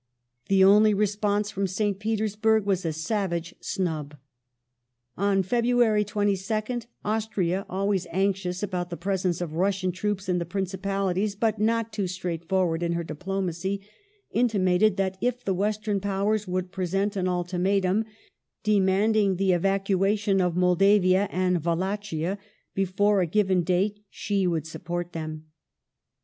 The only response from St. Petersburg was a savage snub. On February 22nd Austria, always anxious about the presence of Russian troops in the Principalities but not too straightforward in her diplomacy, intimated that if the Western Powers would present an ultimatum demanding the evacuation of Moldavia and Wallachia before a given date she would support them.